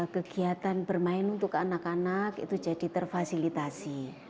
kegiatan bermain untuk anak anak itu jadi terfasilitasi